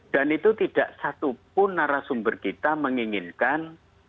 dan itu tidak satu pun narasumber kita menginginkan